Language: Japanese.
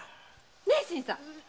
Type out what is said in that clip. ねえ新さん？